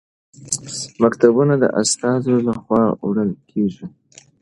مکتوبونه د استازو لخوا وړل کیږي.